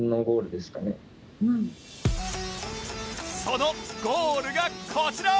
そのゴールがこちら